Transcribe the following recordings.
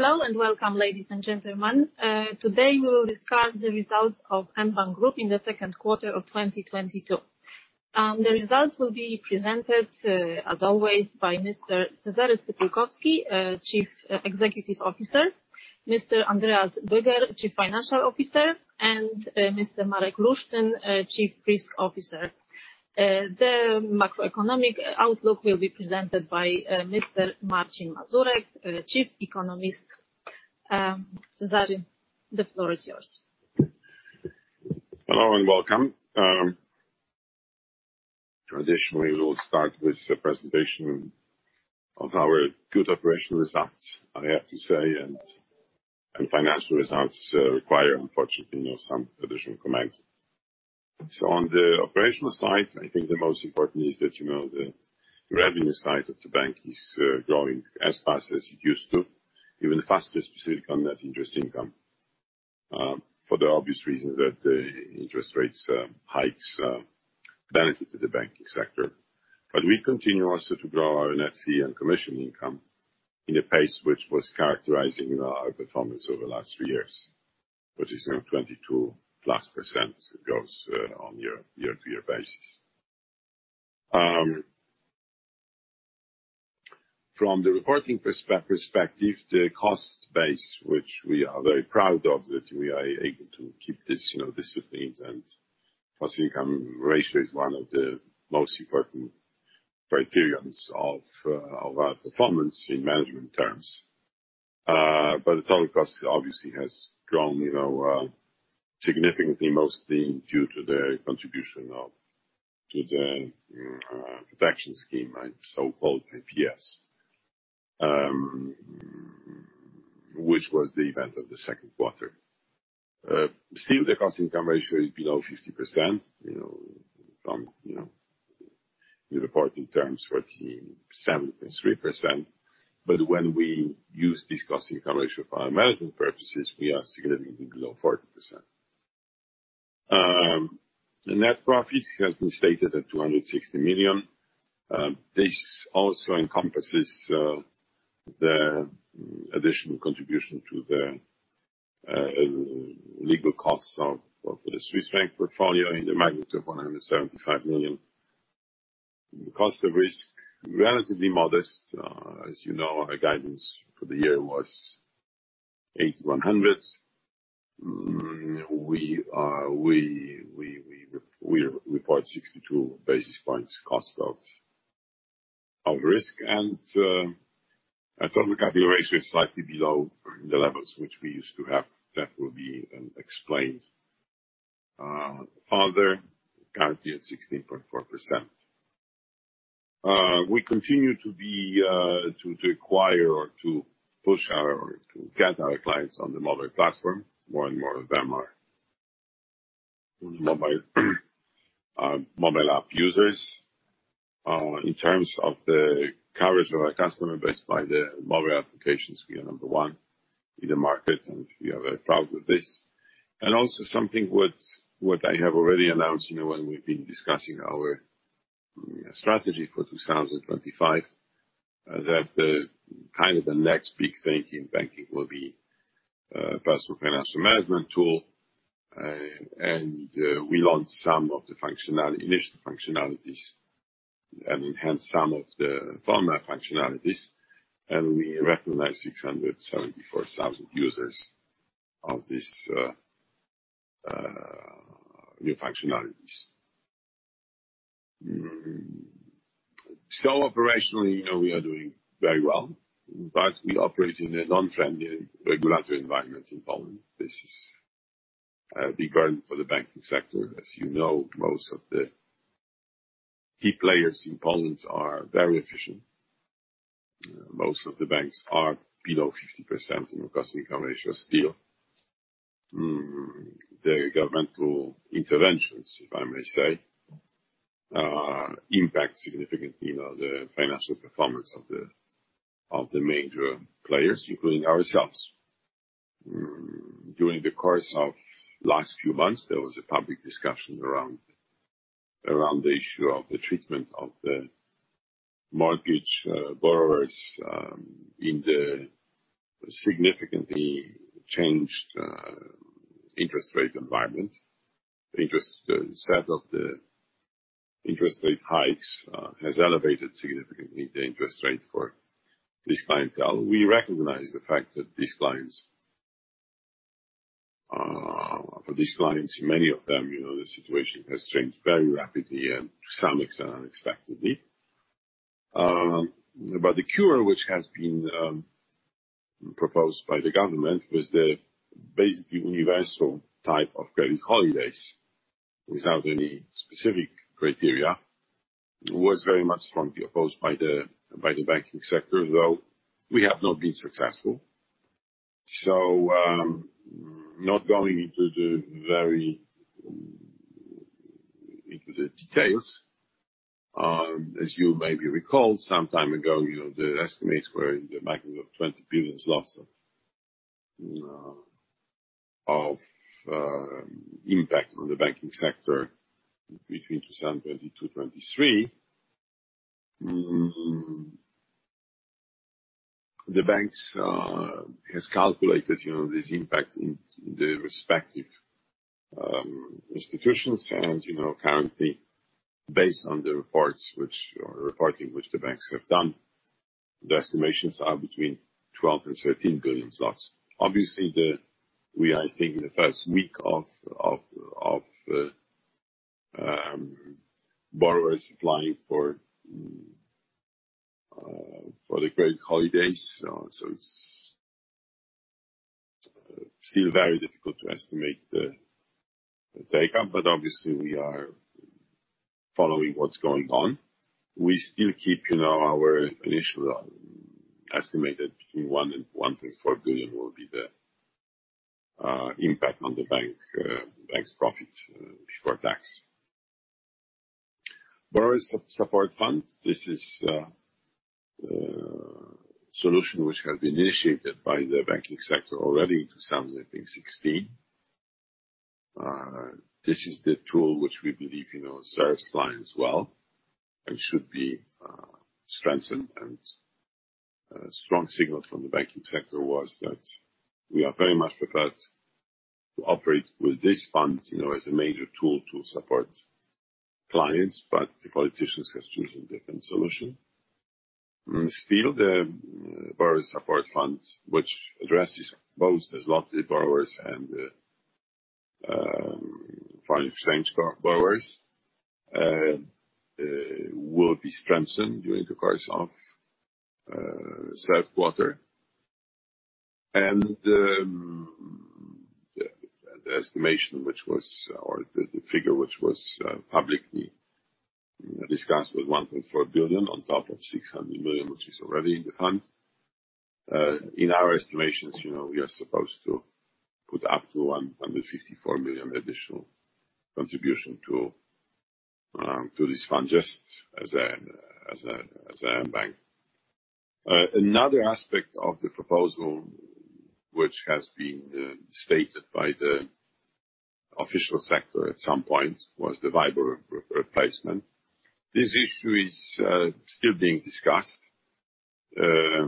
Hello and welcome, ladies and gentlemen. Today we will discuss the results of mBank Group in the Q2 of 2022. The results will be presented, as always, by Mr. Cezary Stypułkowski, Chief Executive Officer, Mr. Andreas Boeger, Chief Financial Officer, and Mr. Marek Lusztyn, Chief Risk Officer. The macroeconomic outlook will be presented by Mr. Marcin Mazurek, Chief Economist. Cezary, the floor is yours. Hello and welcome. Traditionally, we will start with the presentation of our good operational results, I have to say, and financial results require, unfortunately, you know, some additional comments. On the operational side, I think the most important is that, you know, the revenue side of the bank is growing as fast as it used to, even faster, specifically on net interest income, for the obvious reasons that interest rate hikes benefit the banking sector. We continue also to grow our net fee and commission income at a pace which was characterizing, you know, our performance over the last three years, which is now 22%+ growth on a year-to-year basis. From the reporting perspective, the cost base, which we are very proud of, that we are able to keep this, you know, disciplined, and cost income ratio is one of the most important criterions of our performance in management terms. The total cost obviously has grown, you know, significantly, mostly due to the contribution to the protection scheme, right? So-called IPS. Which was the event of the Q2. Still the cost income ratio is below 50%, you know, from, you know, in reporting terms, 14%, it's 3%, but when we use this cost income ratio for our management purposes, we are significantly below 40%. The net profit has been stated at 260 million. This also encompasses the additional contribution to the legal costs of the Swiss franc portfolio in the magnitude of 175 million. The cost of risk, relatively modest. As you know, our guidance for the year was 81 basis points. We report 62 basis points cost of risk. Our Total Capital Ratio is slightly below the levels which we used to have. That will be explained further. Currently at 16.4%. We continue to acquire or to push our or to get our clients on the mobile platform. More and more of them are mobile app users. In terms of the coverage of our customer base by the mobile applications, we are number one in the market, and we are very proud of this. Also something that I have already announced, you know, when we've been discussing our strategy for 2025, that the kind of the next big thing in banking will be personal financial management tool. We launched some of the functionality, initial functionalities and enhanced some of the former functionalities, and we recognized 674,000 users of this new functionalities. Operationally, you know we are doing very well, but we operate in a non-friendly regulatory environment in Poland. This is a big burden for the banking sector. As you know, most of the key players in Poland are very efficient. Most of the banks are below 50% in the cost income ratio still. The governmental interventions, if I may say, impact significantly the financial performance of the major players, including ourselves. During the course of last few months, there was a public discussion around the issue of the treatment of the mortgage borrowers in the significantly changed interest rate environment. Set of the interest rate hikes has elevated significantly the interest rate for this clientele. We recognize the fact that these clients, many of them, you know, the situation has changed very rapidly and to some extent, unexpectedly. The cure which has been proposed by the government was basically universal type of credit holidays without any specific criteria, was very much strongly opposed by the banking sector, though we have not been successful. Not going into the details, as you maybe recall some time ago, you know, the estimates were in the magnitude of PLN 20 billion of impact on the banking sector between 2022, 2023. The banks has calculated, you know, this impact in the respective institutions. Currently, based on the reports which or reporting which the banks have done, the estimations are between 12 billion and 13 billion zlotys. Obviously. We are, I think, in the first week of borrowers applying for the credit holidays. It's still very difficult to estimate the take-up. Obviously we are following what's going on. We still keep, you know, our initial estimate that between 1 billion and 1.4 billion will be the impact on the bank's profit before tax. Borrowers' Support Fund, this is solution which has been initiated by the banking sector already in 2016, I think. This is the tool which we believe, you know, serves clients well and should be strengthened. A strong signal from the banking sector was that we are very much prepared to operate with this fund, you know, as a major tool to support clients. The politicians have chosen different solution. Still, the Borrowers' Support Fund, which addresses both the zloty borrowers and the foreign exchange co-borrowers, will be strengthened during the course of Q3. The figure which was publicly discussed was 1.4 billion on top of 600 million, which is already in the fund. In our estimations, you know, we are supposed to put up to 154 million additional contribution to this fund just as mBank. Another aspect of the proposal which has been stated by the official sector at some point was the WIBOR replacement. This issue is still being discussed. There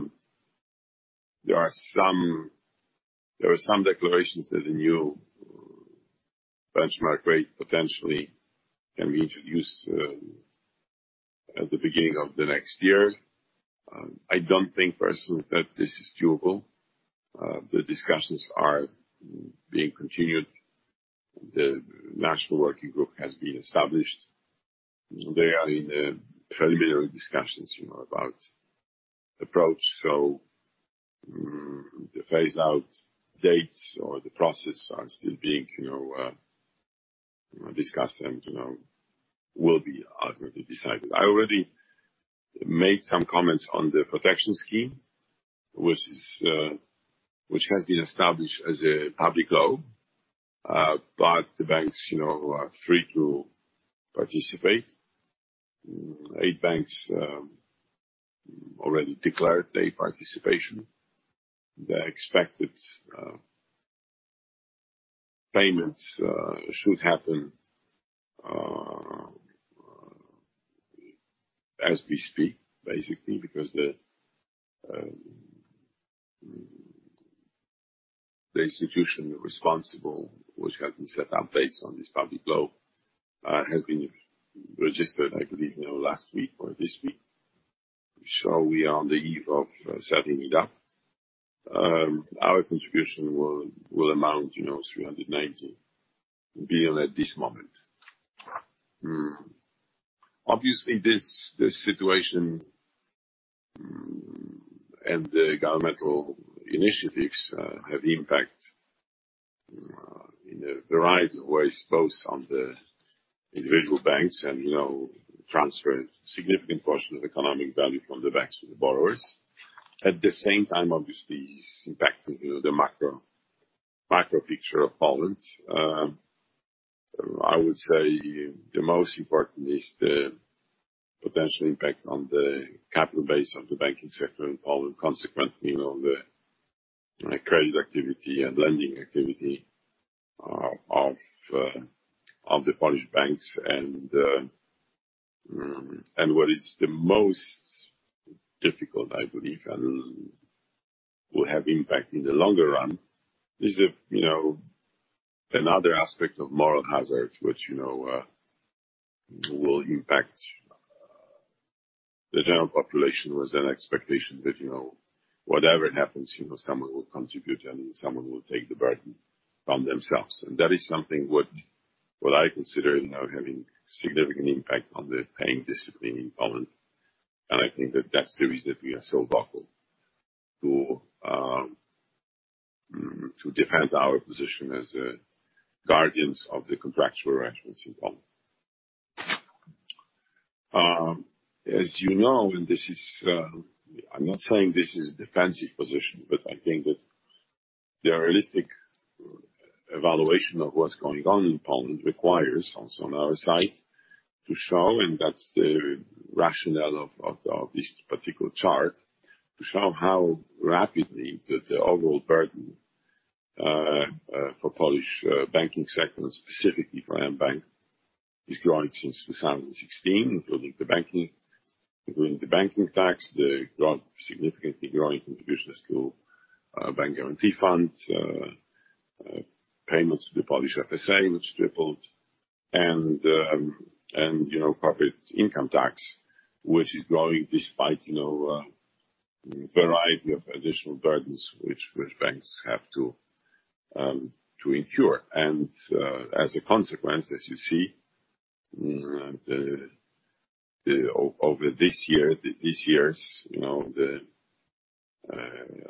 are some declarations that the new benchmark rate potentially can be introduced at the beginning of the next year. I don't think personally that this is doable. The discussions are being continued. The National Working Group has been established. They are in preliminary discussions, you know, about approach. The phase-out dates or the process are still being, you know, discussed and, you know, will be ultimately decided. I already made some comments on the Institutional Protection Scheme, which has been established as a public law. The banks, you know, are free to participate. Eight banks already declared their participation. The expected payments should happen as we speak, basically, because the institution responsible, which has been set up based on this public law, has been registered, I believe, you know, last week or this week. We are on the eve of setting it up. Our contribution will amount, you know, 390 billion at this moment. Obviously this situation and the governmental initiatives have impact in a variety of ways, both on the individual banks and, you know, transfer a significant portion of economic value from the banks to the borrowers. At the same time, obviously it's impacting, you know, the macro picture of Poland. I would say the most important is the potential impact on the capital base of the banking sector in Poland, consequently on the credit activity and lending activity of the Polish banks. What is the most difficult, I believe, and will have impact in the longer run is a, you know, another aspect of moral hazard which, you know, will impact the general population with an expectation that, you know, whatever happens, you know, someone will contribute and someone will take the burden from themselves. That is something what I consider, you know, having significant impact on the paying discipline in Poland. I think that that's the reason we are so vocal to defend our position as guardians of the contractual arrangements in Poland. As you know, this is, I'm not saying this is defensive position, but I think that the realistic evaluation of what's going on in Poland requires also on our side to show, and that's the rationale of this particular chart, to show how rapidly the overall burden for Polish banking sector, and specifically for mBank, is growing since 2016, including the banking tax, the significantly growing contributions to bank guarantee funds, payments to the Polish FSA, which tripled, and, you know, corporate income tax, which is growing despite, you know, variety of additional burdens which banks have to incur. As a consequence, as you see, over this year, this year's, you know, the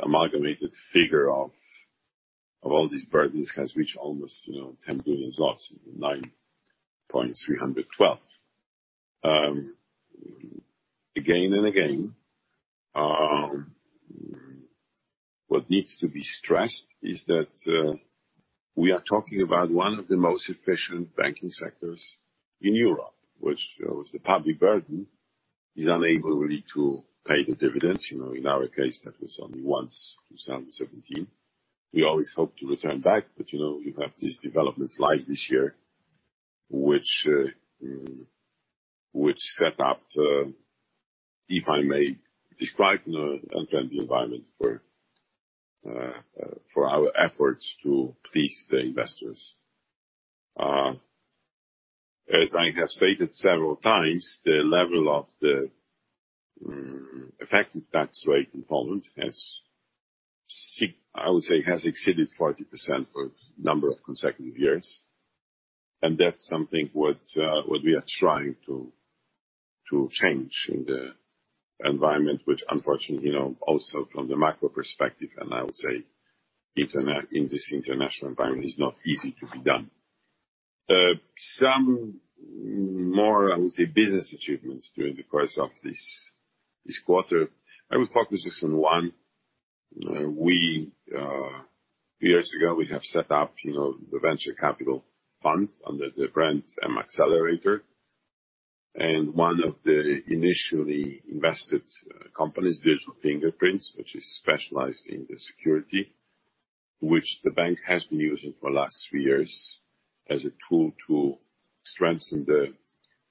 amalgamated figure of all these burdens has reached almost, you know, 10 billion, 9.312 billion. Again and again, what needs to be stressed is that we are talking about one of the most efficient banking sectors in Europe, which the public burden is unable really to pay the dividends. You know, in our case, that was only once, 2017. We always hope to return back, but, you know, you have these developments like this year, which set up, if I may describe, you know, unfriendly environment for our efforts to please the investors. As I have stated several times, the level of the effective tax rate in Poland has, I would say, exceeded 40% for number of consecutive years, and that's something what we are trying to change in the environment, which unfortunately, you know, also from the macro perspective, and I would say in this international environment is not easy to be done. Some more, I would say business achievements during the course of this quarter, I will focus just on one. Few years ago, we have set up, you know, the venture capital fund under the brand mAccelerator. One of the initially invested companies, Digital Fingerprints, which is specialized in the security, which the bank has been using for the last three years as a tool to strengthen the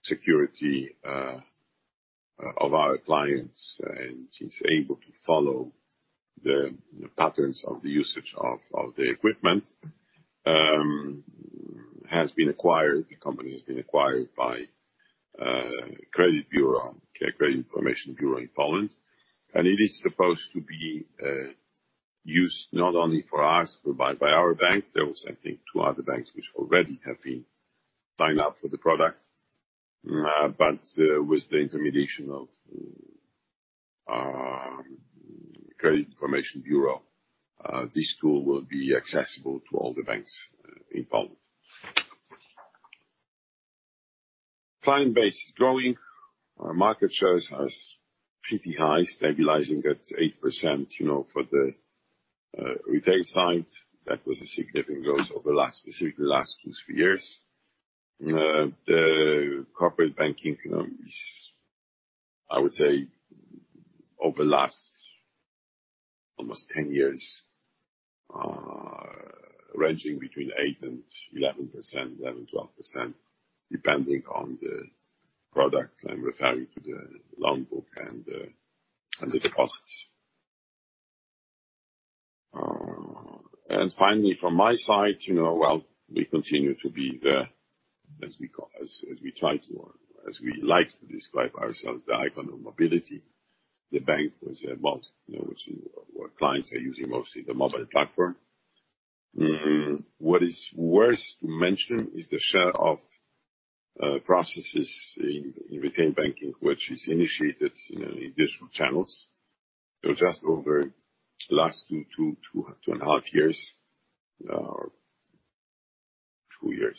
security of our clients and is able to follow the patterns of the usage of the equipment, has been acquired. The company has been acquired by credit information bureau in Poland, and it is supposed to be used not only for us, but by our bank. There was I think two other banks which already have been signed up for the product, but with the intermediation of credit information bureau, this tool will be accessible to all the banks in Poland. Client base is growing. Our market shares are pretty high, stabilizing at 8%, you know, for the retail side. That was a significant growth over the last, specifically last 2, 3 years. The corporate banking, you know, is, I would say, over the last almost 10 years, ranging between 8% and 11%, 11%-12%, depending on the product. I'm referring to the loan book and the deposits. And finally from my side, you know, well, we continue to be the, as we try to, or as we like to describe ourselves, the icon of mobility. The bank, you know, which, where clients are using mostly the mobile platform. What is worth to mention is the share of processes in retail banking, which is initiated, you know, in digital channels. Just over last two and a half years, it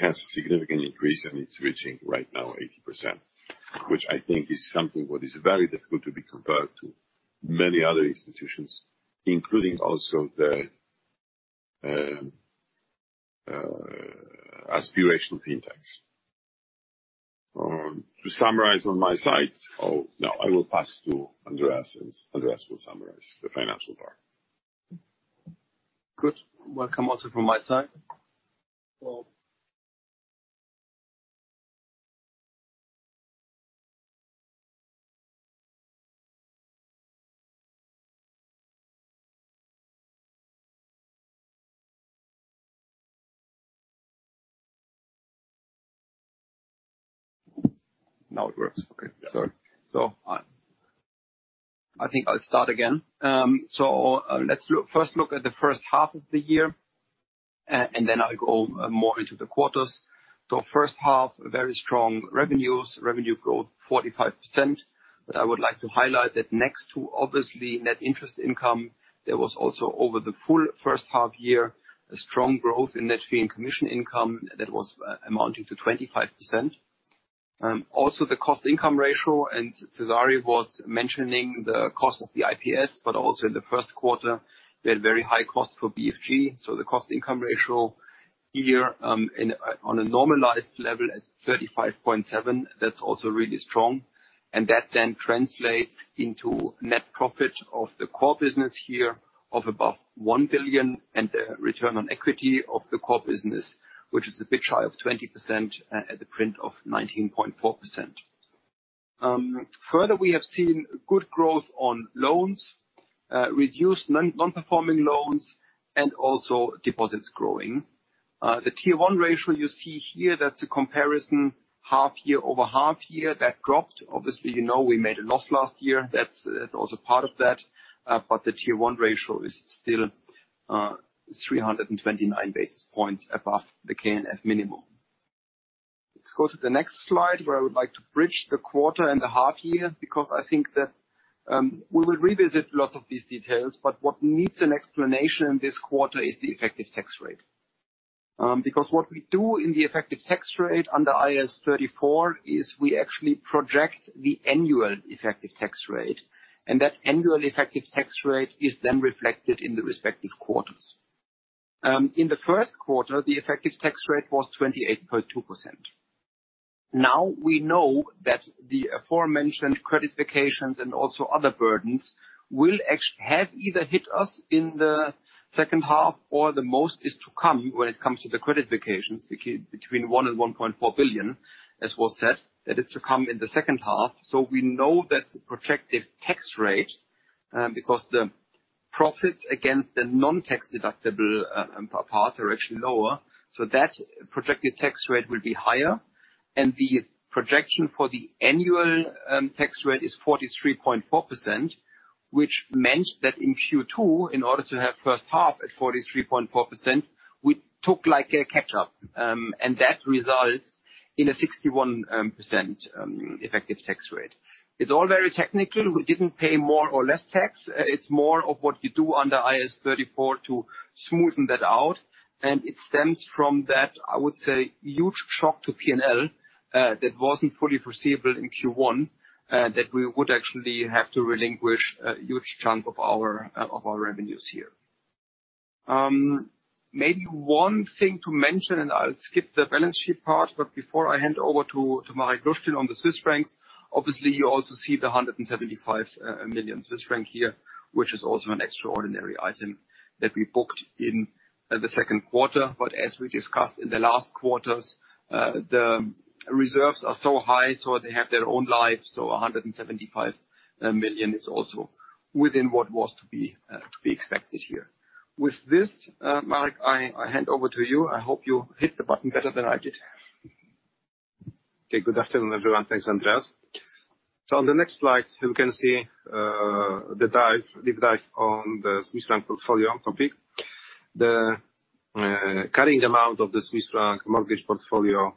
has significant increase and it's reaching right now 80%, which I think is something what is very difficult to be compared to many other institutions, including also the aspirational fintechs. To summarize on my side. Oh, no, I will pass to Andreas Boeger, and Andreas Boeger will summarize the financial part. Good. Welcome also from my side. Now it works. Okay. Sorry. I think I'll start again. Let's look at the H1 of the year, and then I'll go more into the quarters. H1, very strong revenues. Revenue growth 45%. I would like to highlight that next to obviously Net Interest Income, there was also over the full H1 year, a strong growth in Net Fee and Commission Income that was amounting to 25%. The cost income ratio, and Cezary Stypułkowski was mentioning the cost of the IPS, but also in the Q1, we had very high cost for BFG. The cost income ratio here, on a normalized level is 35.7. That's also really strong. That then translates into net profit of the core business here of above 1 billion, and the return on equity of the core business, which is a bit shy of 20% at the print of 19.4%. Further, we have seen good growth on loans, reduced non-performing loans, and also deposits growing. The Tier 1 ratio you see here, that's a comparison half year over half year that dropped. Obviously, you know, we made a loss last year. That's also part of that. The Tier 1 ratio is still 329 basis points above the KNF minimum. Let's go to the next slide, where I would like to bridge the quarter and the half year, because I think that we will revisit lots of these details, but what needs an explanation in this quarter is the effective tax rate. Because what we do in the effective tax rate under IAS 34 is we actually project the annual effective tax rate, and that annual effective tax rate is then reflected in the respective quarters. In the Q1, the effective tax rate was 28.2%. We know that the aforementioned credit vacations and also other burdens will have either hit us in the H2 or the most is to come when it comes to the credit vacations between 1 billion and 1.4 billion, as was said, that is to come in the H2. We know that the projected tax rate, because the profits against the non-tax deductible parts are actually lower, so that projected tax rate will be higher. The projection for the annual tax rate is 43.4%, which meant that in Q2, in order to have H1 at 43.4%, we took like a catch-up. That results in a 61% effective tax rate. It's all very technical. We didn't pay more or less tax. It's more of what you do under IAS 34 to smoothen that out, and it stems from that, I would say, huge shock to P&L that wasn't fully foreseeable in Q1, that we would actually have to relinquish a huge chunk of our revenues here. Maybe one thing to mention, and I'll skip the balance sheet part, but before I hand over to Marek Lusztyn on the Swiss francs, obviously you also see the 175 million Swiss franc here, which is also an extraordinary item that we booked in the Q2. As we discussed in the last quarters, the reserves are so high, so they have their own life. A 175 million is also within what was to be expected here. With this, Marek, I hand over to you. I hope you hit the button better than I did. Good afternoon, everyone. Thanks, Andreas. On the next slide, you can see the dive on the Swiss franc portfolio topic. The carrying amount of the Swiss franc mortgage portfolio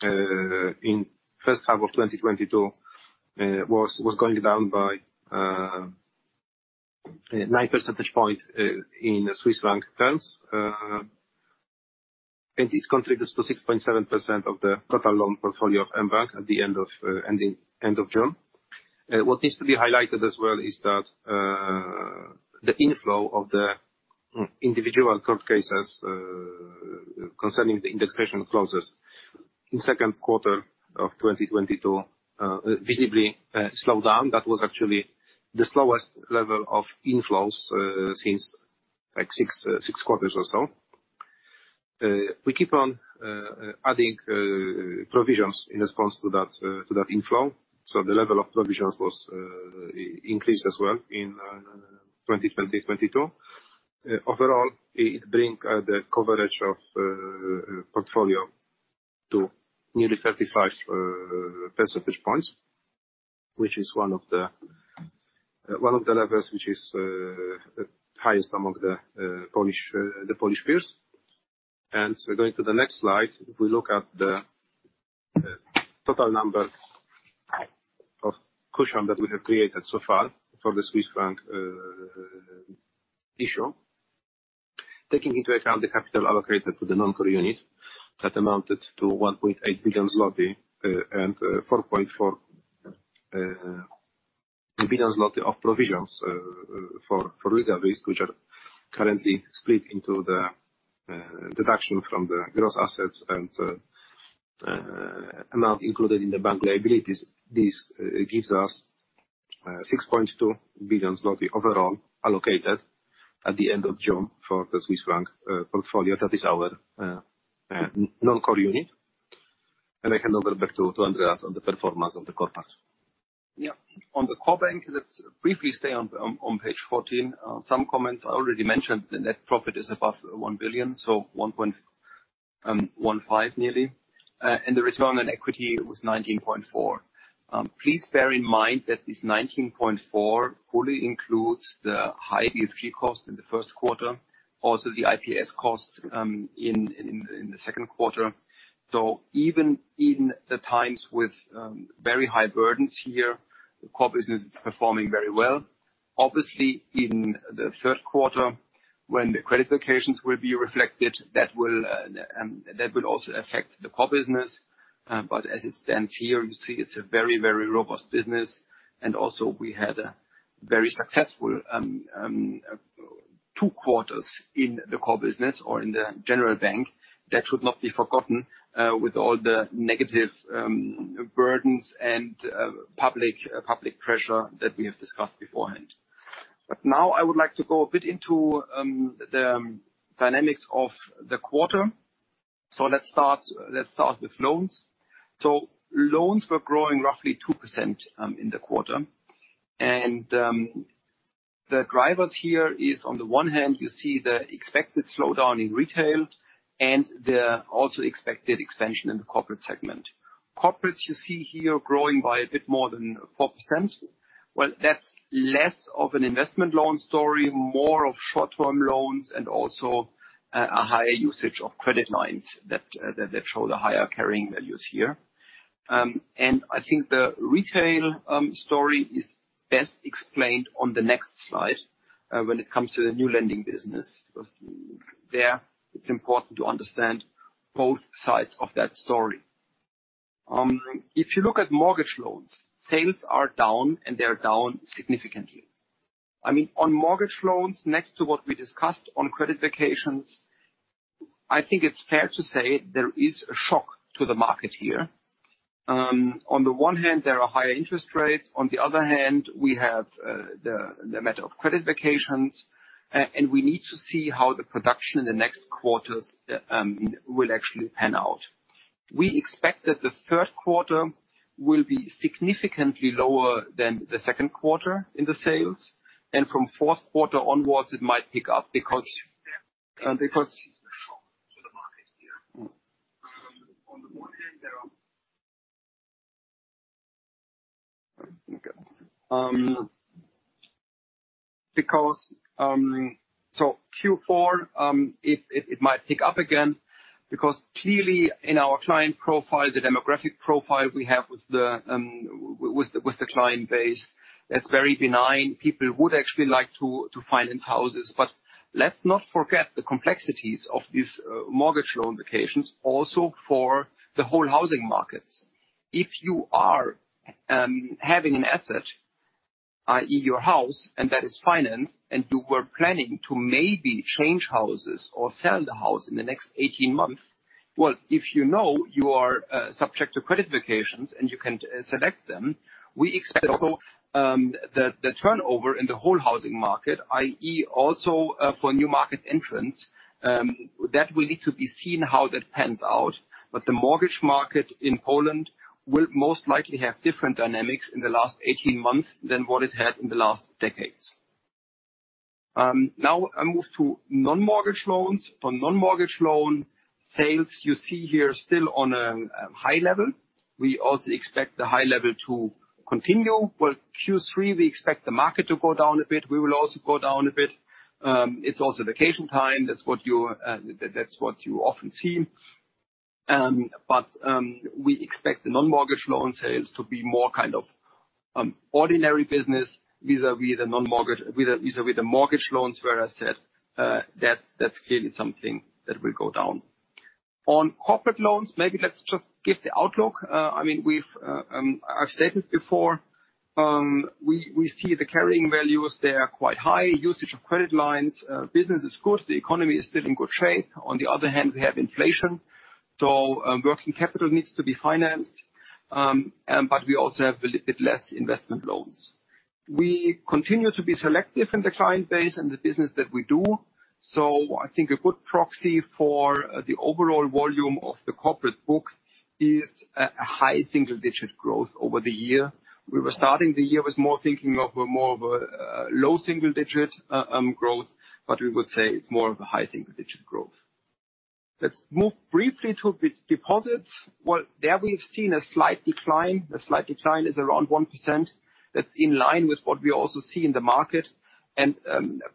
in H1 of 2022 was going down by 9 percentage points in Swiss franc terms. It contributes to 6.7% of the total loan portfolio of mBank at the end of June. What needs to be highlighted as well is that the inflow of the individual court cases concerning the indexation clauses in Q2 of 2022 visibly slowed down. That was actually the slowest level of inflows since like 6 quarters or so. We keep on adding provisions in response to that inflow. The level of provisions was increased as well in 2022. Overall, it bring the coverage of portfolio to nearly 35 percentage points, which is one of the levels which is highest among the Polish peers. Going to the next slide, if we look at the total number of cushion that we have created so far for the Swiss franc issue. Taking into account the capital allocated to the non-core unit, that amounted to 1.8 billion zloty and 4.4 billion zloty of provisions for legal risk, which are currently split into the deduction from the gross assets and amount included in the bank liabilities. This gives us 6.2 billion zloty overall allocated at the end of June for the Swiss franc portfolio. That is our non-core unit. I hand over back to Andreas on the performance of the core part. Yeah. On the core bank, let's briefly stay on page fourteen. Some comments I already mentioned, the net profit is above 1 billion, so 1.15 billion nearly. The return on equity was 19.4%. Please bear in mind that this 19.4% fully includes the high BFG cost in the Q1, also the IPS cost in the Q2. Even in the times with very high burdens here, the core business is performing very well. Obviously, in the Q3, when the credit vacations will be reflected, that will also affect the core business. But as it stands here, you see it's a very robust business. Also we had a very successful two quarters in the core business or in the general bank. That should not be forgotten with all the negative burdens and public pressure that we have discussed beforehand. Now I would like to go a bit into the dynamics of the quarter. Let's start with loans. Loans were growing roughly 2% in the quarter. The drivers here is on the one hand, you see the expected slowdown in retail and the also expected expansion in the corporate segment. Corporates you see here growing by a bit more than 4%. Well, that's less of an investment loan story, more of short-term loans and also a higher usage of credit lines that that show the higher carrying values here. I think the retail story is best explained on the next slide, when it comes to the new lending business, because there it's important to understand both sides of that story. If you look at mortgage loans, sales are down, and they're down significantly. I mean, on mortgage loans, next to what we discussed on credit vacations, I think it's fair to say there is a shock to the market here. On the one hand, there are higher interest rates, on the other hand, we have the matter of credit vacations. We need to see how the production in the next quarters will actually pan out. We expect that the Q3 will be significantly lower than the Q2 in the sales. From Q4 onwards, it might pick up because. Q4, it might pick up again, because clearly in our client profile, the demographic profile we have with the client base, that's very benign. People would actually like to finance houses. But let's not forget the complexities of these credit vacations, also for the whole housing market. If you are having an asset, i.e., your house, and that is financed, and you were planning to maybe change houses or sell the house in the next 18 months, well, if you know you are subject to credit vacations and you can select them, we expect also the turnover in the whole housing market, i.e., also for new market entrants, that will need to be seen how that pans out. The mortgage market in Poland will most likely have different dynamics in the last 18 months than what it had in the last decades. Now I move to non-mortgage loans. For non-mortgage loan sales, you see here still on a high level. We also expect the high level to continue. Well, Q3, we expect the market to go down a bit. We will also go down a bit. It's also vacation time. That's what you often see. We expect the non-mortgage loan sales to be more kind of ordinary business vis-à-vis the mortgage loans, where I said, that's clearly something that will go down. On corporate loans, maybe let's just give the outlook. I mean, I've stated before, we see the carrying values, they are quite high. Usage of credit lines, business is good. The economy is still in good shape. On the other hand, we have inflation. Working capital needs to be financed, but we also have a bit less investment loans. We continue to be selective in the client base and the business that we do. I think a good proxy for the overall volume of the corporate book is a high single-digit growth over the year. We were starting the year with more thinking of a low single-digit growth, but we would say it's more of a high single-digit growth. Let's move briefly to deposits. Well, there we've seen a slight decline. The slight decline is around 1%. That's in line with what we also see in the market.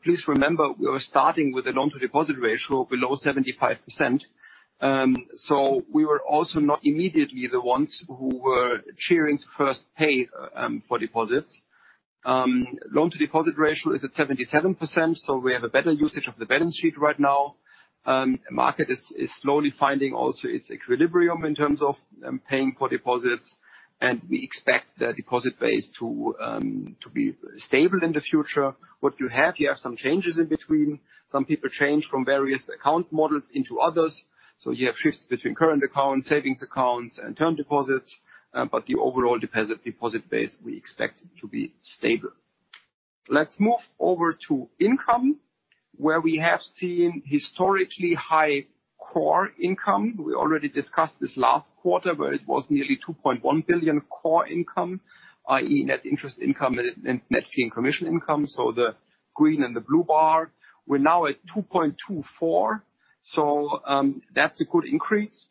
Please remember, we were starting with a loan-to-deposit ratio below 75%. We were also not immediately the ones who were rushing to first pay for deposits. Loan-to-deposit ratio is at 77%, so we have a better usage of the balance sheet right now. Market is slowly finding also its equilibrium in terms of paying for deposits, and we expect the deposit base to be stable in the future. What you have, you have some changes in between. Some people change from various account models into others. You have shifts between current accounts, savings accounts, and term deposits, but the overall deposit base, we expect to be stable. Let's move over to income, where we have seen historically high core income. We already discussed this last quarter, where it was nearly 2.1 billion core income, i.e., Net Interest Income and Net Fee and Commission Income. The green and the blue bar. We're now at 2.24 billion. That's a good increase.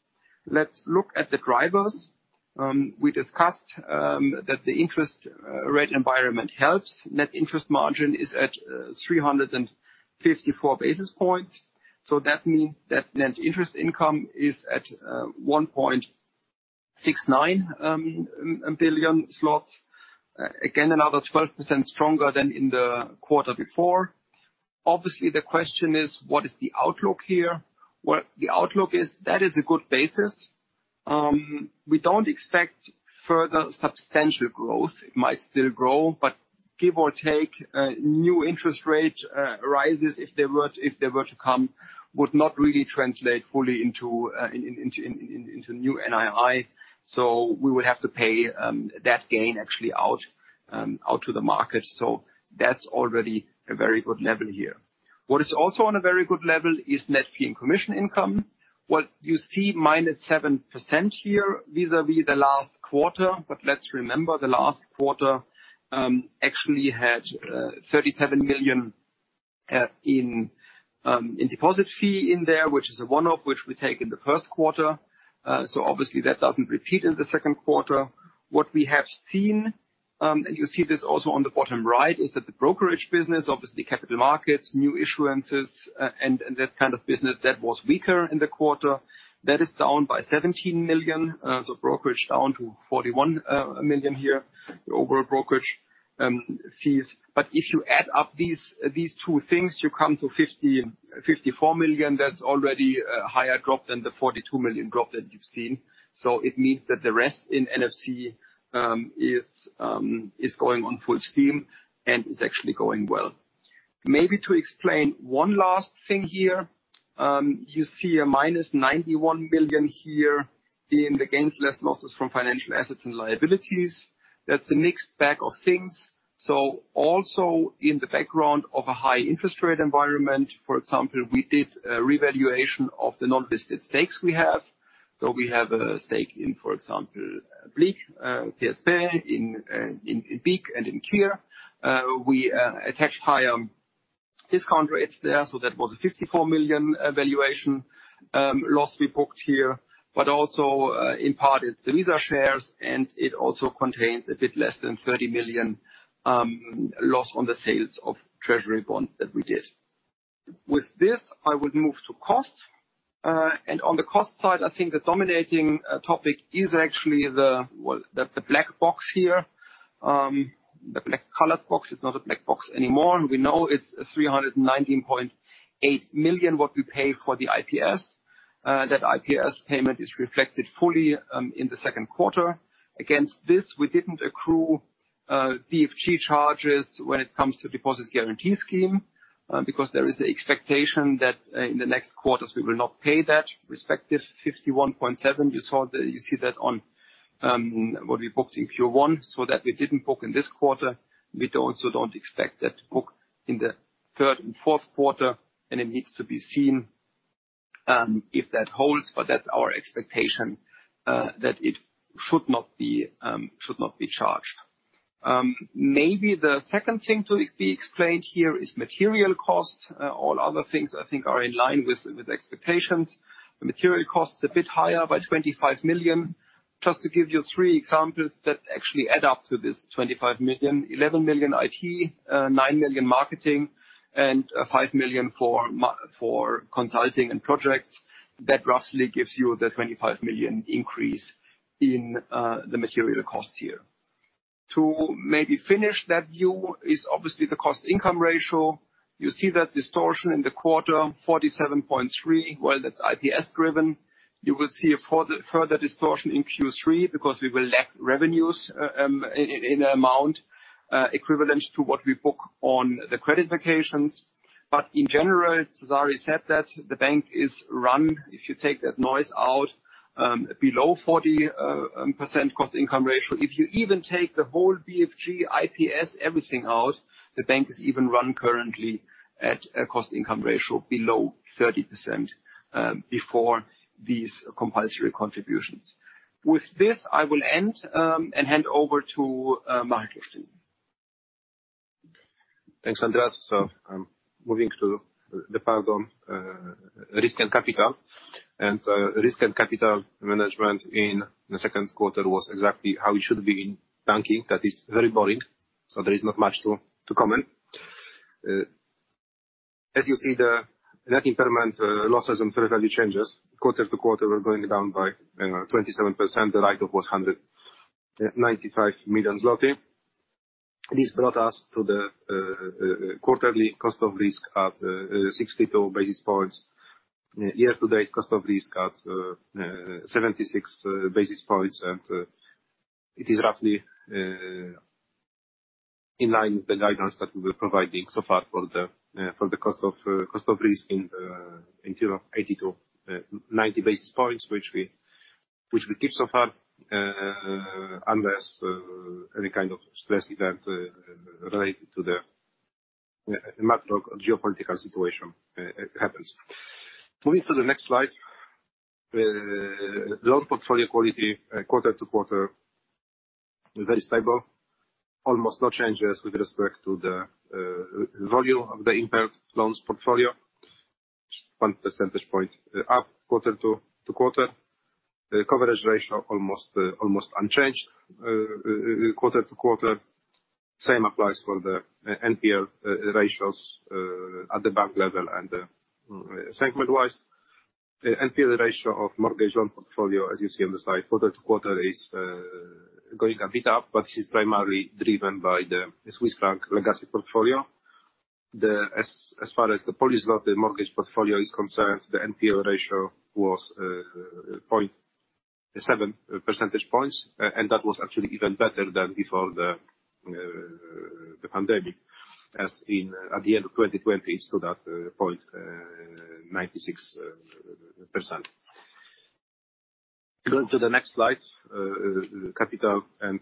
Let's look at the drivers. We discussed that the interest rate environment helps. Net Interest Margin is at 354 basis points. That means that Net Interest Income is at 1.69 billion zlotys. Again, another 12% stronger than in the quarter before. Obviously, the question is, what is the outlook here? Well, the outlook is that is a good basis. We don't expect further substantial growth. It might still grow, but give or take, new interest rate rises, if they were to come, would not really translate fully into new NII. We would have to pay that gain actually out to the market. That's already a very good level here. What is also on a very good level is Net Fee and Commission Income. What you see, -7% here vis-à-vis the last quarter. Let's remember, the last quarter actually had 37 million in deposit fee in there, which is a one-off, which we take in the Q1. Obviously that doesn't repeat in the second quarter. What we have seen, and you see this also on the bottom right, is that the brokerage business, obviously capital markets, new issuances and that kind of business that was weaker in the quarter, that is down by 17 million. Brokerage down to 41 million here, the overall brokerage fees. If you add up these two things, you come to 54 million. That's already a higher drop than the 42 million drop that you've seen. It means that the rest in NFCI is going on full steam and is actually going well. Maybe to explain one last thing here, you see a minus 91 million here in the gains, less losses from financial assets and liabilities. That's a mixed bag of things. Also in the background of a high interest rate environment, for example, we did a revaluation of the non-listed stakes we have. We have a stake in, for example, BLIK, PSP, in BIK and in KIR. We attached higher discount rates there, so that was a 54 million valuation loss we booked here. But also, in part is the Visa shares, and it also contains a bit less than 30 million loss on the sales of treasury bonds that we did. With this, I would move to cost. On the cost side, I think the dominating topic is actually the well, the black box here. The black colored box, it's not a black box anymore. We know it's 319.8 million what we pay for the IPS. That IPS payment is reflected fully in the Q2. Against this, we didn't accrue BFG charges when it comes to deposit guarantee scheme because there is an expectation that in the next quarters we will not pay that respective 51.7 million. You see that on what we booked in Q1 so that we didn't book in this quarter. We also don't expect that to book in the third and Q4, and it needs to be seen if that holds, but that's our expectation that it should not be charged. Maybe the second thing to be explained here is material cost. All other things I think are in line with expectations. The material cost is a bit higher by 25 million. Just to give you three examples that actually add up to this 25 million: 11 million IT, 9 million marketing and 5 million for consulting and projects. That roughly gives you the 25 million increase in the material cost here. To maybe finish that view is obviously the cost-income ratio. You see that distortion in the quarter, 47.3%. Well, that's IPS driven. You will see a further distortion in Q3 because we will lack revenues in an amount equivalent to what we book on the credit vacations. In general, Cezary Stypułkowski said that the bank is run, if you take that noise out, below 40% cost-income ratio. If you even take the whole BFG, IPS, everything out, the bank is even run currently at a cost-income ratio below 30%, before these compulsory contributions. With this, I will end, and hand over to Marek Lusztyn. Thanks, Andreas. I'm moving to the part on risk and capital. Risk and capital management in the Q2 was exactly how it should be in banking. That is very boring, so there is not much to comment. As you see, the net impairment losses and fair value changes quarter-over-quarter were going down by 27%. The write-off was 195 million zloty. This brought us to the quarterly cost of risk at 62 basis points. Year-to-date cost of risk at 76 basis points. It is roughly in line with the guidance that we were providing so far for the cost of risk in terms of 80-90 basis points, which we keep so far, unless any kind of stress event related to the geopolitical situation happens. Moving to the next slide. Loan portfolio quality, quarter to quarter, very stable. Almost no changes with respect to the value of the impaired loans portfolio. 1 percentage point up quarter to quarter. The coverage ratio almost unchanged quarter to quarter. Same applies for the NPL ratios at the bank level and segment wise. The NPL ratio of mortgage loan portfolio, as you see on the side, quarter-over-quarter is going a bit up, but this is primarily driven by the Swiss franc legacy portfolio. As far as the Polish mortgage portfolio is concerned, the NPL ratio was 0.7 percentage points, and that was actually even better than before the pandemic, as in at the end of 2020 stood at 0.96%. Going to the next slide, capital and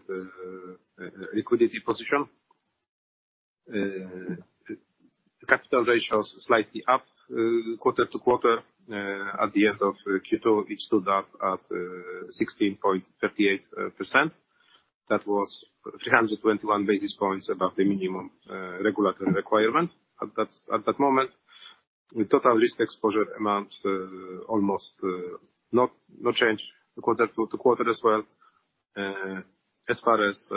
liquidity position. The capital ratio is slightly up quarter-over-quarter. At the end of Q2, it stood at 16.38%. That was 321 basis points above the minimum regulatory requirement at that moment. The total risk exposure amount almost no change quarter-to-quarter as well. As far as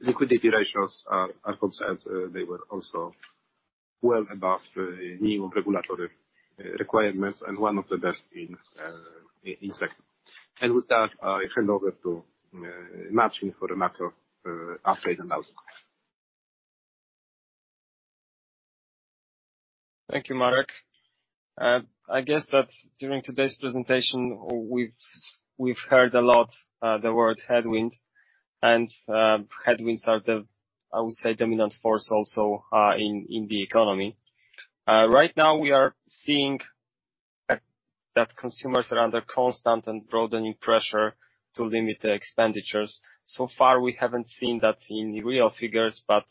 liquidity ratios are concerned, they were also well above the new regulatory requirements and one of the best in sector. With that, I hand over to Marcin for the macro update and outlook. Thank you, Marek. I guess that during today's presentation, we've heard a lot the word headwind. Headwinds are the, I would say, dominant force also in the economy. Right now we are seeing that consumers are under constant and broadening pressure to limit their expenditures. So far, we haven't seen that in real figures, but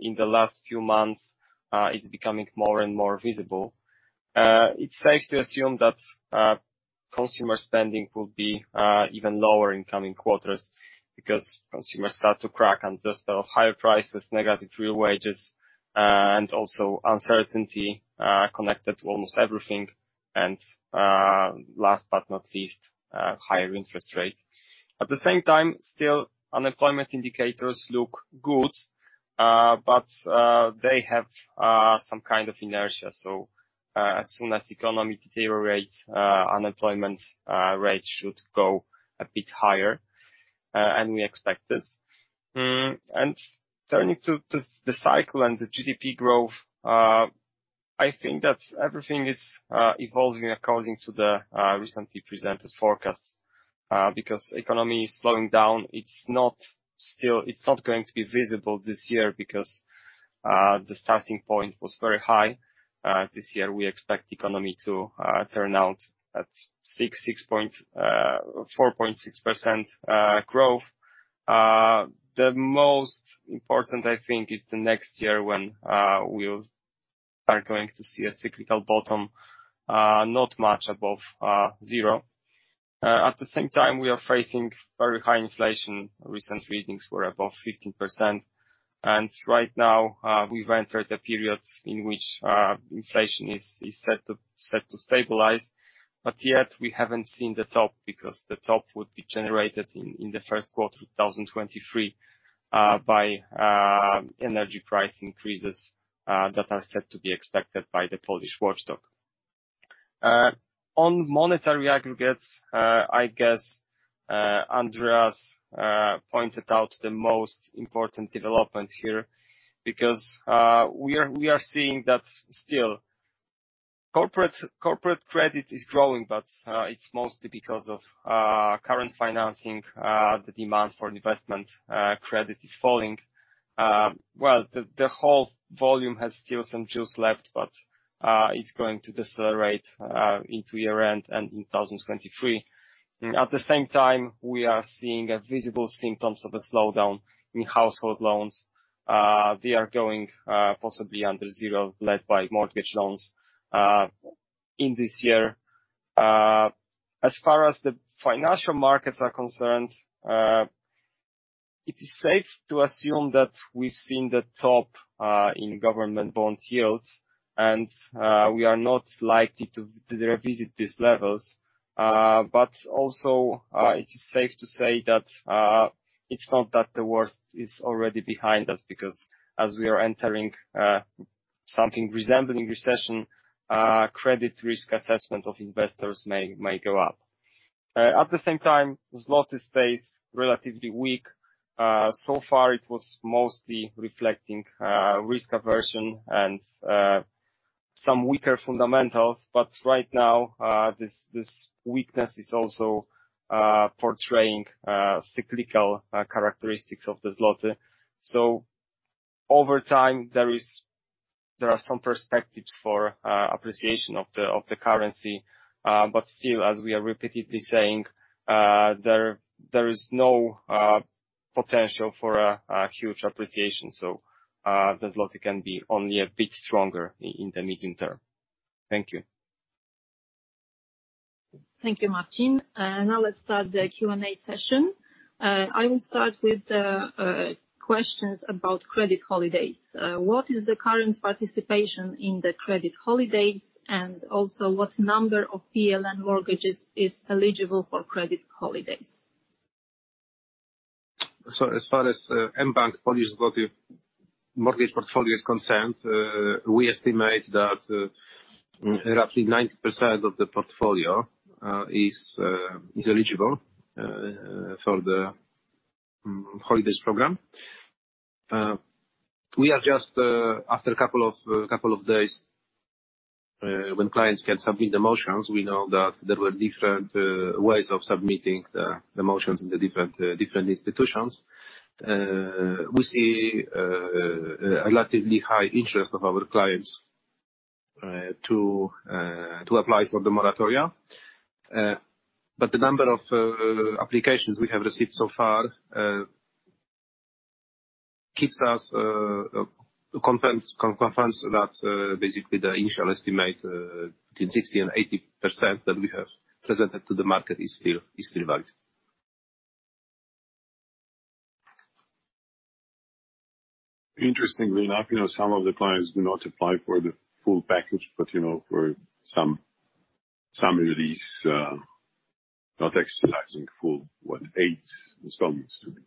in the last few months, it's becoming more and more visible. It's safe to assume that consumer spending will be even lower in coming quarters because consumers start to crack under higher prices, negative real wages, and also uncertainty connected to almost everything. Last but not least, higher interest rate. At the same time, still unemployment indicators look good, but they have some kind of inertia. As soon as the economy deteriorates, unemployment rate should go a bit higher, and we expect this. Turning to this, the cycle and the GDP growth, I think that everything is evolving according to the recently presented forecasts. Because the economy is slowing down, it's not going to be visible this year because the starting point was very high. This year we expect the economy to turn out at 4.6% growth. The most important I think is the next year when we'll are going to see a cyclical bottom, not much above 0. At the same time, we are facing very high inflation. Recent readings were above 15%. Right now, we've entered a period in which inflation is set to stabilize. Yet, we haven't seen the top because the top would be generated in the Q1 of 2023 by energy price increases that are set to be expected by the Polish watchdog. On monetary aggregates, I guess Andreas pointed out the most important developments here, because we are seeing that still corporate credit is growing, but it's mostly because of current financing. The demand for investment credit is falling. Well, the whole volume has still some juice left, but it's going to decelerate into year-end and in 2023. At the same time, we are seeing visible symptoms of a slowdown in household loans. They are going possibly under zero, led by mortgage loans, in this year. As far as the financial markets are concerned, it is safe to assume that we've seen the top in government bond yields and we are not likely to revisit these levels. Also, it is safe to say that it's not that the worst is already behind us because as we are entering something resembling recession, credit risk assessment of investors may go up. At the same time, zloty stays relatively weak. So far it was mostly reflecting risk aversion and some weaker fundamentals. Right now, this weakness is also portraying cyclical characteristics of the zloty. Over time, there are some prospects for appreciation of the currency. Still, as we are repeatedly saying, there is no potential for a huge appreciation. The zloty can be only a bit stronger in the medium term. Thank you. Thank you, Marcin. Now let's start the Q&A session. I will start with the questions about credit holidays. What is the current participation in the credit holidays? And also, what number of PLN mortgages is eligible for credit holidays? As far as mBank Polish zloty mortgage portfolio is concerned, we estimate that roughly 90% of the portfolio is eligible for the holidays program. We are just after a couple of days when clients can submit the motions. We know that there were different ways of submitting the motions in the different institutions. We see a relatively high interest of our clients to apply for the moratoria. The number of applications we have received so far confirms that basically the initial estimate between 60% and 80% that we have presented to the market is still valid. Interestingly enough, you know, some of the clients do not apply for the full package, but you know, for some relief, not exercising full eight installments to be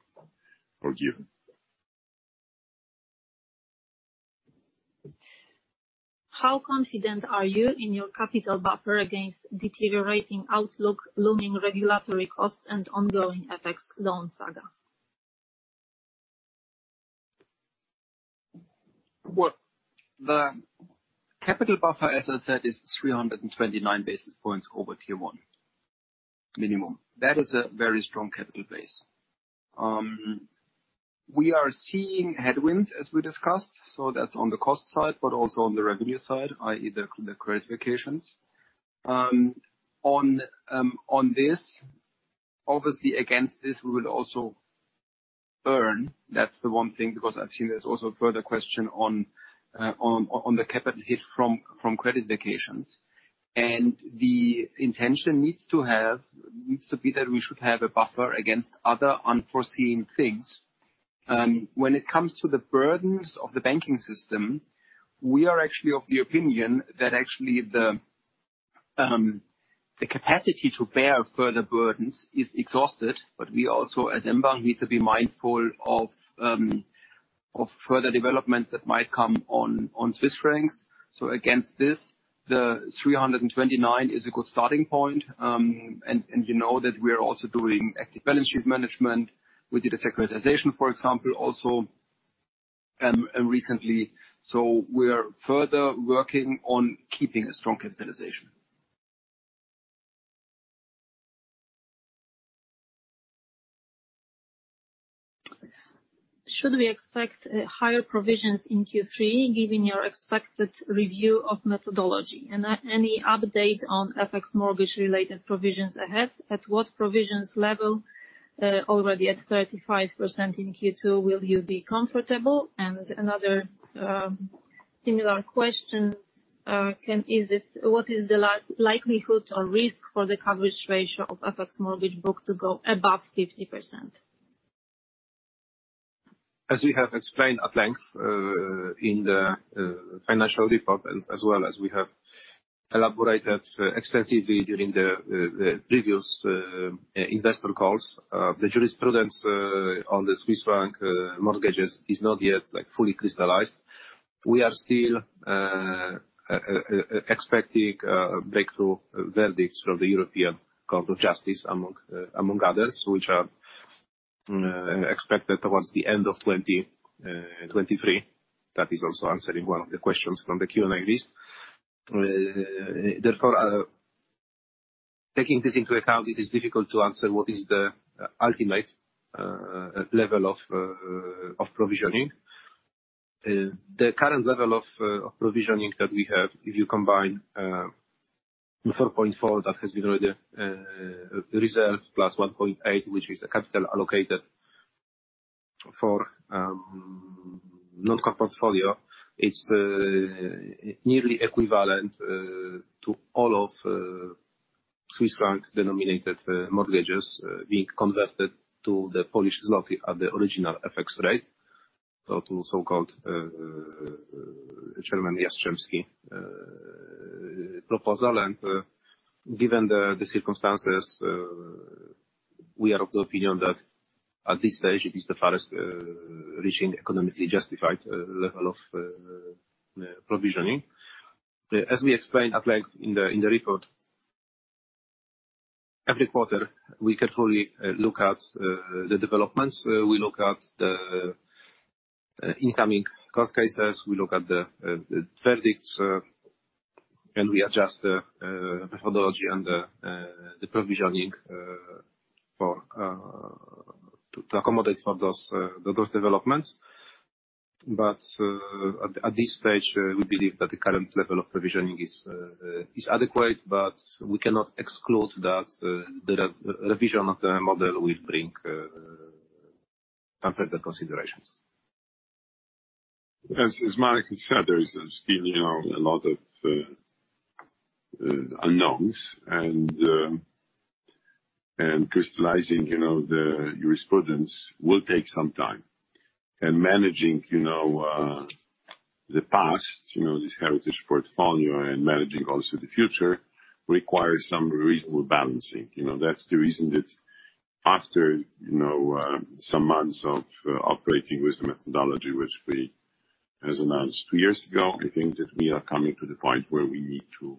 forgiven. How confident are you in your capital buffer against deteriorating outlook, looming regulatory costs, and ongoing FX loan saga? Well, the capital buffer, as I said, is 329 basis points over Tier 1 minimum. That is a very strong capital base. We are seeing headwinds as we discussed, so that's on the cost side, but also on the revenue side, i.e., the credit vacations. On this, obviously against this we will also earn. That's the one thing, because I've seen there's also a further question on the capital hit from credit vacations. The intention needs to be that we should have a buffer against other unforeseen things. When it comes to the burdens of the banking system, we are actually of the opinion that actually the capacity to bear further burdens is exhausted. We also, as mBank, need to be mindful of further developments that might come on Swiss francs. Against this, the 329 is a good starting point. You know that we are also doing active balance sheet management. We did a securitization, for example, also, recently, so we are further working on keeping a strong capitalization. Should we expect higher provisions in Q3, given your expected review of methodology? Any update on FX mortgage related provisions ahead? At what provisions level already at 35% in Q2 will you be comfortable? Another similar question, what is the likelihood or risk for the coverage ratio of FX mortgage book to go above 50%? As we have explained at length in the financial report, as well as we have elaborated extensively during the previous investor calls, the jurisprudence on the Swiss franc mortgages is not yet, like, fully crystallized. We are still expecting breakthrough verdicts from the European Court of Justice, among others, which are expected towards the end of 2023. That is also answering one of the questions from the Q&A list. Therefore, taking this into account, it is difficult to answer what is the ultimate level of provisioning. The current level of provisioning that we have, if you combine the 4.4 that has been already reserved, plus 1.8, which is the capital allocated for non-core portfolio. It's nearly equivalent to all of Swiss franc denominated mortgages being converted to the Polish zloty at the original FX rate. To so-called Chairman Jastrzębski proposal. Given the circumstances, we are of the opinion that at this stage it is the farthest reaching economically justified level of provisioning. As we explained at length in the report, every quarter we carefully look at the developments. We look at the incoming court cases, we look at the verdicts, and we adjust the methodology and the provisioning to accommodate for those developments. At this stage, we believe that the current level of provisioning is adequate, but we cannot exclude that the revision of the model will bring some further considerations. Marek has said, there is still, you know, a lot of unknowns and crystallizing, you know, the jurisprudence will take some time. Managing, you know, the past, you know, this heritage portfolio and managing also the future requires some reasonable balancing. You know, that's the reason that after, you know, some months of operating with the methodology which we has announced two years ago, I think that we are coming to the point where we need to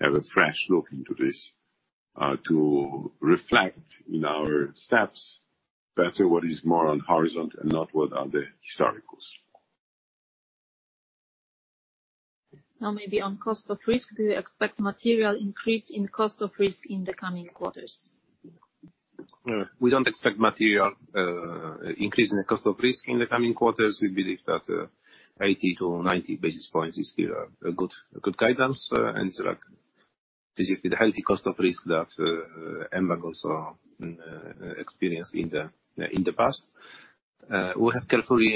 have a fresh look into this, to reflect in our steps better what is more on horizon and not what are the historicals. Now maybe on cost of risk. Do you expect material increase in cost of risk in the coming quarters? We don't expect material increase in the cost of risk in the coming quarters. We believe that 80-90 basis points is still a good guidance, and it's like basically the healthy cost of risk that mBank also experienced in the past. We have carefully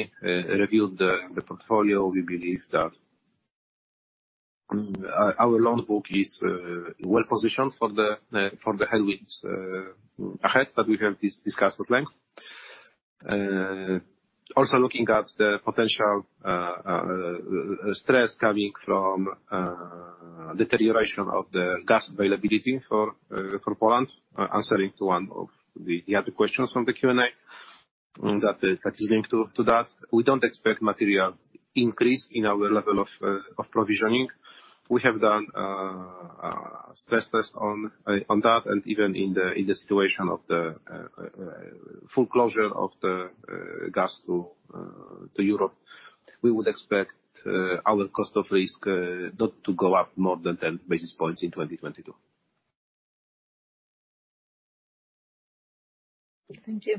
reviewed the portfolio. We believe that our loan book is well-positioned for the headwinds ahead that we have discussed at length. Also looking at the potential stress coming from deterioration of the gas availability for Poland, answering to one of the other questions from the Q&A that is linked to that. We don't expect material increase in our level of provisioning. We have done a stress test on that, and even in the situation of the full closure of the gas to Europe. We would expect our cost of risk not to go up more than 10 basis points in 2022. Thank you.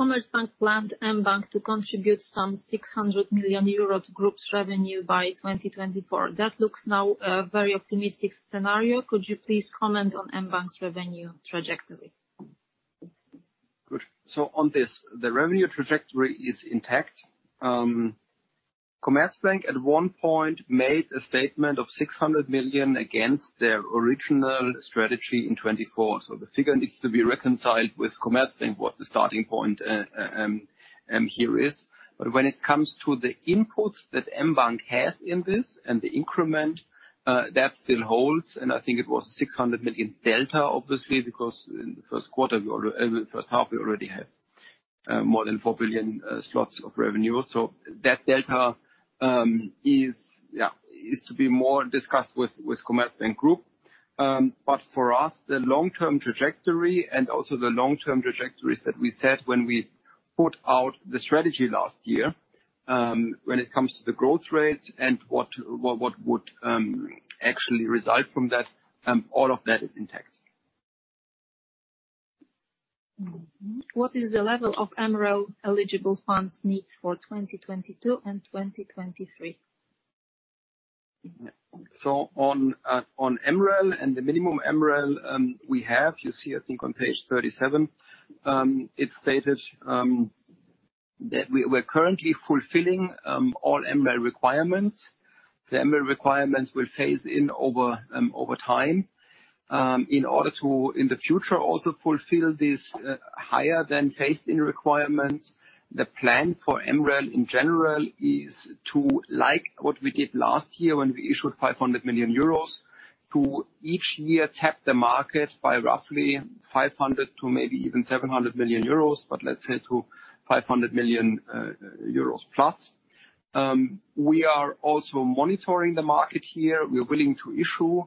Commerzbank planned mBank to contribute some 600 million euro to group's revenue by 2024. That looks now a very optimistic scenario. Could you please comment on mBank's revenue trajectory? Good. On this, the revenue trajectory is intact. Commerzbank at one point made a statement of 600 million against their original strategy in 2024. The figure needs to be reconciled with Commerzbank, what the starting point here is. When it comes to the inputs that mBank has in this and the increment, that still holds, and I think it was 600 million delta, obviously, because in the Q1 we—in the H1, we already had more than 4 billion zlotys of revenue. That delta is to be more discussed with Commerzbank Group. For us, the long-term trajectory and also the long-term trajectories that we set when we put out the strategy last year, when it comes to the growth rates and what would actually result from that, all of that is intact. What is the level of MREL-eligible funding needs for 2022 and 2023? On MREL and the minimum MREL, we have, you see, I think on page 37, it's stated that we're currently fulfilling all MREL requirements. The MREL requirements will phase in over time. In order to, in the future, also fulfill these higher than phased-in requirements, the plan for MREL in general is like what we did last year when we issued 500 million euros to each year tap the market by roughly 500 million to maybe even 700 million euros, but let's say to 500 million euros plus. We are also monitoring the market here. We're willing to issue.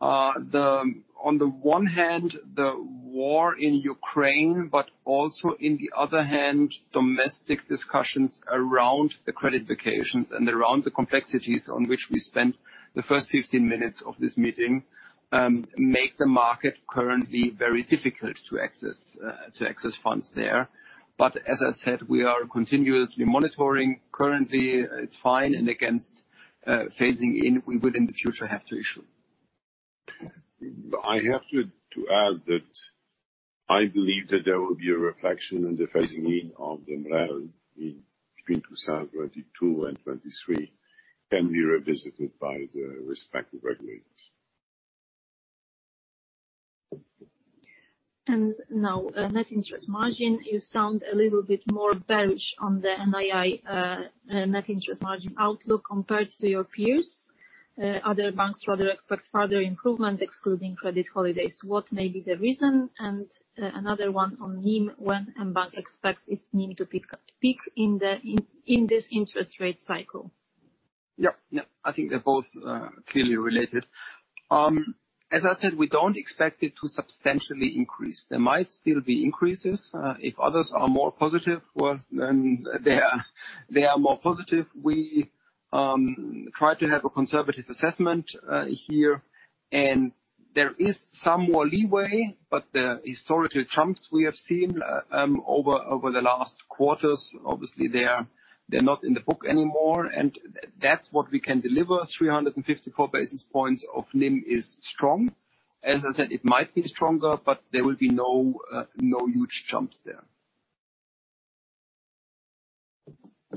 On the one hand, the war in Ukraine, but also on the other hand, domestic discussions around the credit vacations and around the complexities on which we spent the first 15 minutes of this meeting make the market currently very difficult to access funds there. As I said, we are continuously monitoring. Currently, it's fine, and against phasing in, we will in the future have to issue. I have to add that I believe that there will be a reflection on the phasing in of the MREL in between 2022 and 2023, can be revisited by the respective regulators. Now, net interest margin. You sound a little bit more bearish on the NII, net interest margin outlook compared to your peers. Other banks rather expect further improvement, excluding credit holidays. What may be the reason? Another one on NIM, when mBank expects its NIM to peak in this interest rate cycle? Yep. I think they're both clearly related. As I said, we don't expect it to substantially increase. There might still be increases. If others are more positive, well, then they are more positive. We try to have a conservative assessment here. There is some more leeway, but the historical jumps we have seen over the last quarters, obviously they're not in the book anymore. That's what we can deliver. 354 basis points of NIM is strong. As I said, it might be stronger, but there will be no huge jumps there.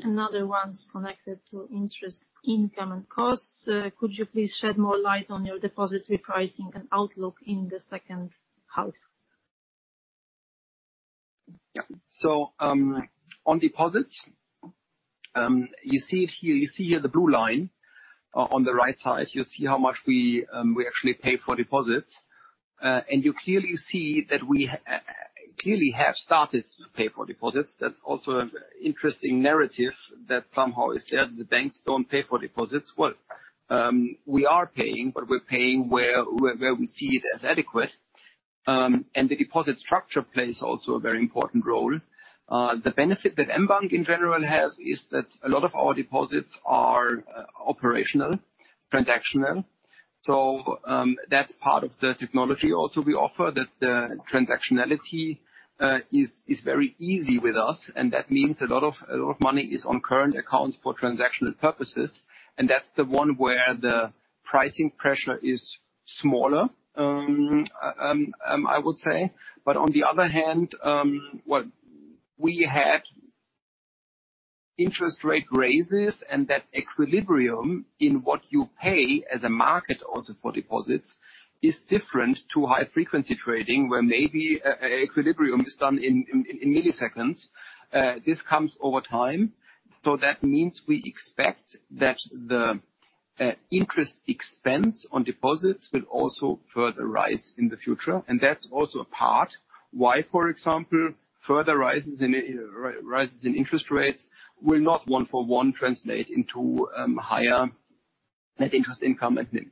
Another one's connected to interest income and costs. Could you please shed more light on your deposit repricing and outlook in the H2? On deposits, you see it here. You see here the blue line on the right side, you see how much we actually pay for deposits. You clearly see that we clearly have started to pay for deposits. That's also an interesting narrative that somehow is the banks don't pay for deposits. Well, we are paying, but we're paying where we see it as adequate. The deposit structure plays also a very important role. The benefit that mBank in general has is that a lot of our deposits are operational, transactional. That's part of the technology also we offer that the transactionality is very easy with us, and that means a lot of money is on current accounts for transactional purposes. That's the one where the pricing pressure is smaller, I would say. On the other hand, what we had interest rate raises and that equilibrium in what you pay as a market also for deposits is different to high frequency trading, where maybe equilibrium is done in milliseconds. This comes over time. That means we expect that the interest expense on deposits will also further rise in the future. That's also a part why, for example, further rises in rises in interest rates will not one for one translate into higher net interest income at mBank.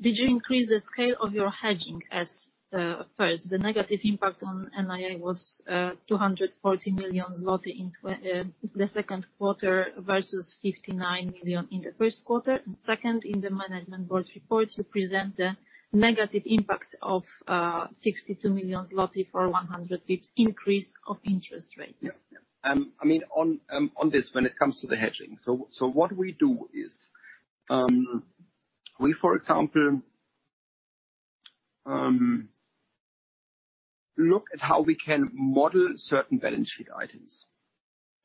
Did you increase the scale of your hedging as first? The negative impact on NII was 240 million zloty in the Q2 versus 59 million in the Q1. Second, in the management board report, you present the negative impact of 62 million zloty for 100 pips increase of interest rates. Yeah. I mean, on this when it comes to the hedging. What we do is, for example, look at how we can model certain balance sheet items.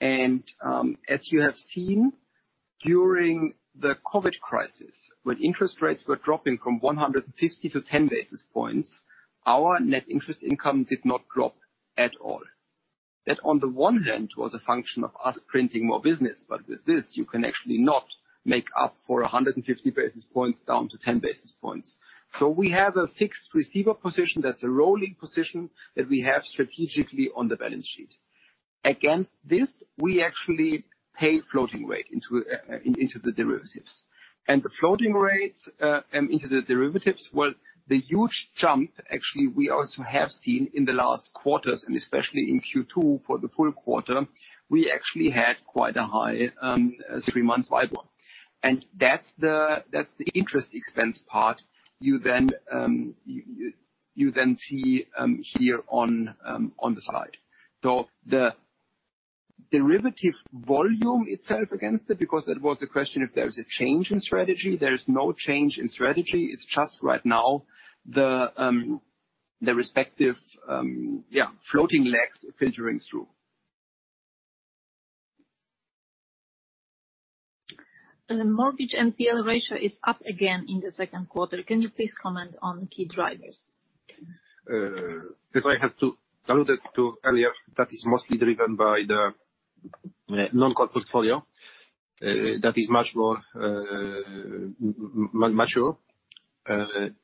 As you have seen during the COVID crisis, when interest rates were dropping from 150 to 10 basis points, our Net Interest Income did not drop at all. That on the one hand, was a function of us printing more business, but with this, you can actually not make up for 150 basis points down to 10 basis points. We have a fixed receiver position that's a rolling position that we have strategically on the balance sheet. Against this, we actually pay floating rate into the derivatives. The floating rates into the derivatives, well, the huge jump actually we also have seen in the last quarters, and especially in Q2 for the full quarter, we actually had quite a high three-month WIBOR. That's the interest expense part you then see here on the slide. The derivative volume itself against it, because that was the question if there is a change in strategy. There is no change in strategy. It's just right now the respective yeah floating legs filtering through. The mortgage NPL ratio is up again in the Q2. Can you please comment on key drivers? As I alluded to earlier, that is mostly driven by the non-core portfolio that is much more mature.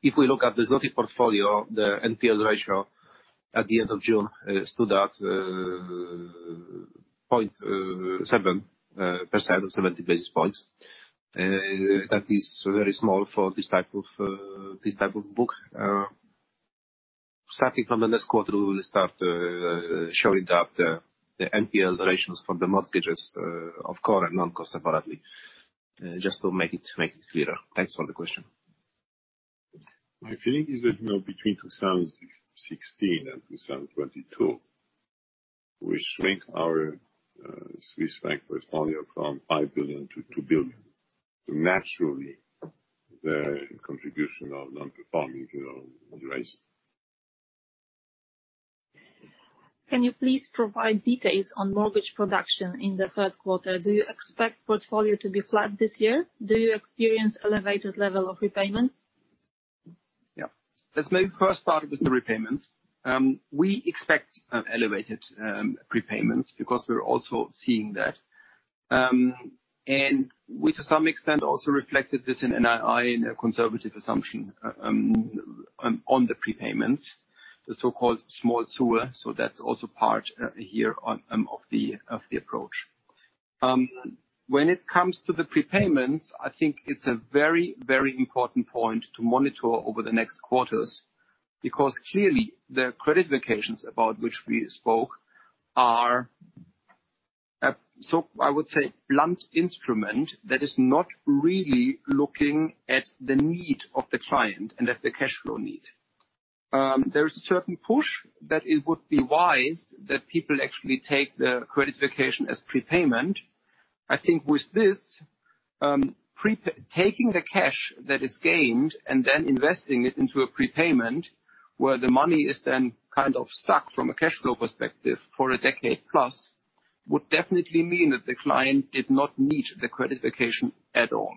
If we look at the zloty portfolio, the NPL ratio at the end of June stood at 0.7%, 70 basis points. That is very small for this type of book. Starting from the next quarter, we will start showing the NPL ratios for the mortgages of core and non-core separately just to make it clearer. Thanks for the question. My feeling is that, you know, between 2016 and 2022, we shrink our Swiss franc portfolio from 5 billion to 2 billion. Naturally, the contribution of non-performing will rise. Can you please provide details on mortgage production in the Q3? Do you expect portfolio to be flat this year? Do you experience elevated level of repayments? Yeah. Let's maybe first start with the repayments. We expect elevated prepayments because we're also seeing that. We to some extent also reflected this in NII in a conservative assumption on the prepayments, the so-called small tour. That's also part here on of the approach. When it comes to the prepayments, I think it's a very, very important point to monitor over the next quarters because clearly the credit vacations about which we spoke are so I would say blunt instrument that is not really looking at the need of the client and at the cash flow need. There is a certain push that it would be wise that people actually take the credit vacation as prepayment. I think with this, taking the cash that is gained and then investing it into a prepayment where the money is then kind of stuck from a cash flow perspective for a decade plus would definitely mean that the client did not need the credit vacation at all.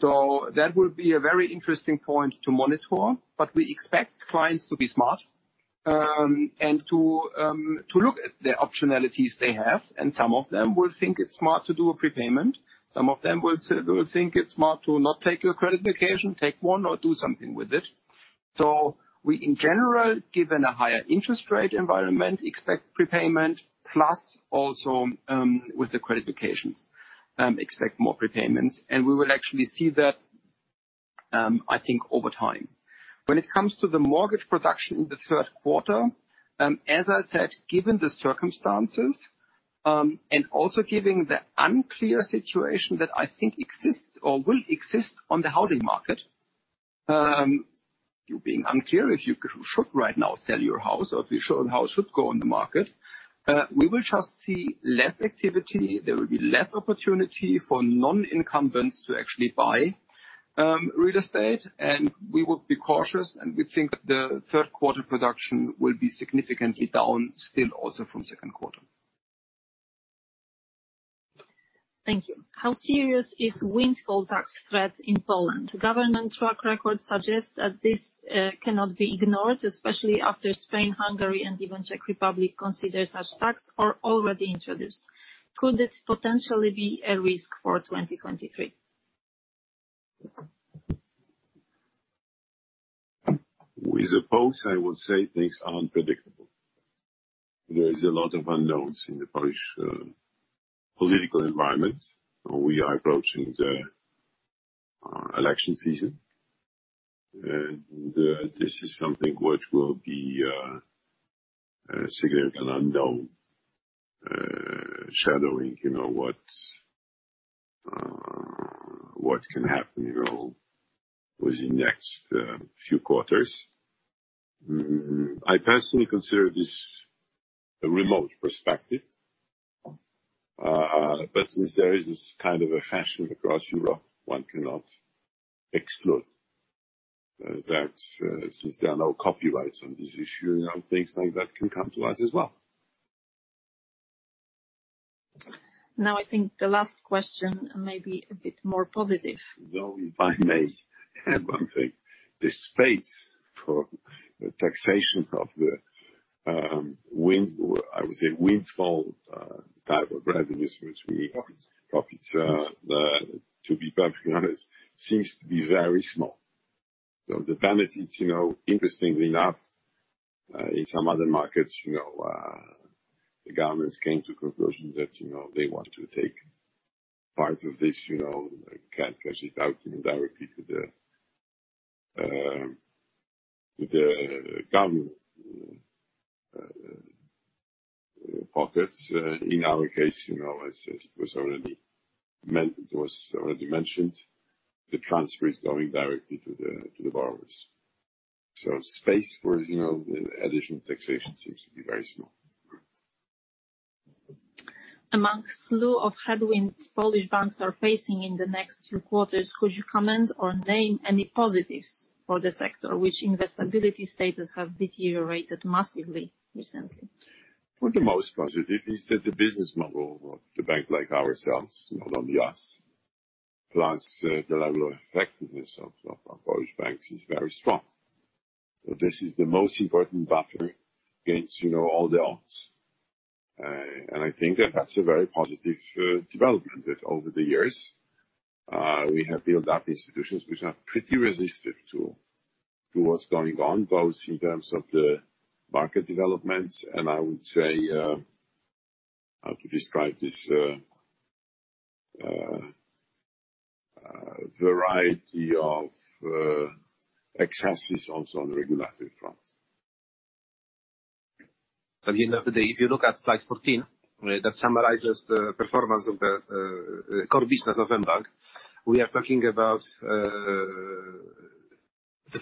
That will be a very interesting point to monitor, but we expect clients to be smart, and to look at the optionalities they have, and some of them will think it's smart to do a prepayment. Some of them will think it's smart to not take a credit vacation, take one, or do something with it. We, in general, given a higher interest rate environment, expect prepayment, plus also with the credit vacations, expect more prepayments. We will actually see that, I think over time. When it comes to the mortgage production in the Q3, as I said, given the circumstances, and also given the unclear situation that I think exists or will exist on the housing market, you're being unclear if you should right now sell your house or if the house should go on the market. We will just see less activity. There will be less opportunity for non-incumbents to actually buy real estate, and we would be cautious, and we think the Q3 production will be significantly down still also from Q2. Thank you. How serious is windfall tax threat in Poland? Government track record suggests that this cannot be ignored, especially after Spain, Hungary, and even Czech Republic consider such tax or already introduced. Could this potentially be a risk for 2023? With the polls, I would say things are unpredictable. There is a lot of unknowns in the Polish political environment. We are approaching the election season, and this is something which will be a significant unknown shadowing, you know, what can happen, you know, within next few quarters. I personally consider this a remote perspective. But since there is this kind of a fashion across Europe, one cannot exclude that, since there are no copyrights on this issue, you know, things like that can come to us as well. Now, I think the last question may be a bit more positive. Though if I may add one thing. The space for the taxation of the windfall type of revenues which we- Profits ...profits, to be perfectly honest, seems to be very small. The benefits, you know, interestingly enough, in some other markets, you know, the governments came to conclusion that, you know, they want to take part of this, you know, can cash it out, you know, directly to the government pockets. In our case, you know, as it was already mentioned, the transfer is going directly to the borrowers. Space for, you know, additional taxation seems to be very small. Among a slew of headwinds Polish banks are facing in the next few quarters, could you comment or name any positives for the sector whose investability status has deteriorated massively recently? Well, the most positive is that the business model of the bank like ourselves, you know, not only us, plus, the level of effectiveness of Polish banks is very strong. This is the most important buffer against, you know, all the odds. I think that that's a very positive development that over the years, we have built up institutions which are pretty resistant to what's going on, both in terms of the market developments and I would say, how to describe this, variety of excesses also on the regulatory front. At the end of the day, if you look at slide 14, that summarizes the performance of the core business of mBank, we are talking about the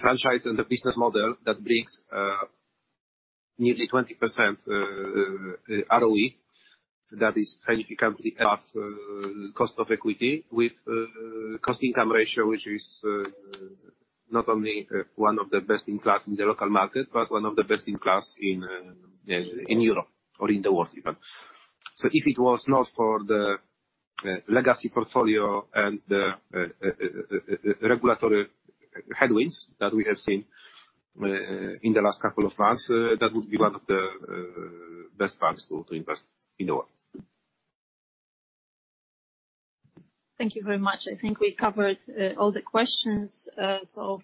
franchise and the business model that brings nearly 20% ROE. That is significantly above cost of equity with cost-income ratio, which is not only one of the best-in-class in the local market, but one of the best-in-class in Europe or in the world even. If it was not for the legacy portfolio and the regulatory headwinds that we have seen in the last couple of months, that would be one of the best banks to invest in the world. Thank you very much. I think we covered all the questions.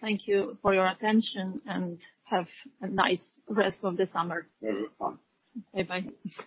Thank you for your attention, and have a nice rest of the summer. Very important. Bye-bye.